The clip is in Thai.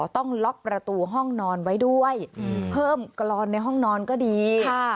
ต้องล็อกประตูห้องนอนไว้ด้วยเพิ่มกรอนในห้องนอนก็ดี